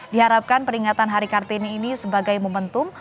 diharapkan peringatan hari kartini ini sebagai momentum